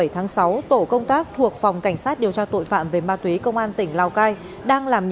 bảy tháng sáu tổ công tác thuộc phòng cảnh sát điều tra tội phạm về ma túy công an tỉnh lào cai đang làm